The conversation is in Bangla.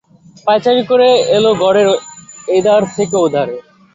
পায়চারি করে এল ঘরের এধার থেকে ওধারে।